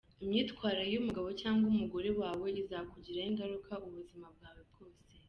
Imyitwarire y’umugabo cyangwa umugore wawe izakugiraho ingaruka ubuzima bwawe bwose.